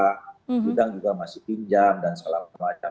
bidang juga masih pinjam dan segala macam